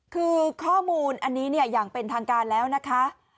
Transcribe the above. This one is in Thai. คือข้อมูลอันนี้เนี่ยอย่างเป็นทางการแล้วนะคะ